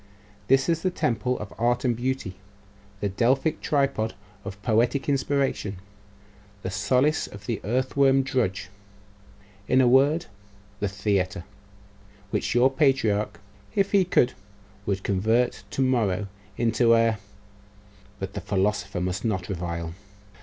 This is the temple of art and beauty; the Delphic tripod of poetic inspiration; the solace of the earthworn drudge; in a word, the theatre; which your patriarch, if he could, would convert to morrow into a but the philosopher must not revile.